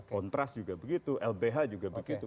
kontras juga begitu lbh juga begitu